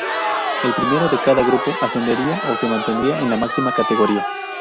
El primero de cada grupo ascendería o se mantendría en la máxima categoría.